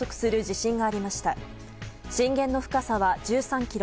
震源の深さは１３ｋｍ。